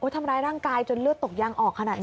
ทำร้ายร่างกายจนเลือดตกยางออกขนาดนี้